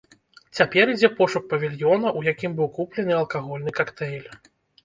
Цяпер ідзе пошук павільёна, у якім быў куплены алкагольны кактэйль.